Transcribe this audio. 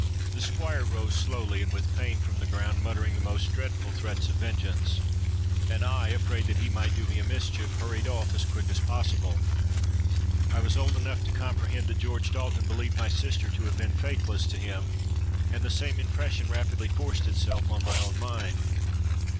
"The Squire rose slowly and with pain from the ground, muttering the most dreadful threats of vengeance; and I, afraid that he might do me a mischief, hurried off as quick as possible. I was old enough to comprehend that George Dalton believed my sister to have been faithless to him; and the same impression rapidly forced itself on my own mind.